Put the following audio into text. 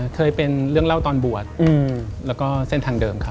เคยเป็นเรื่องเล่าตอนบวชแล้วก็เส้นทางเดิมครับ